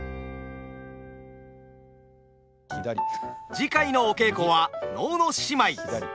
次回のお稽古は能の仕舞。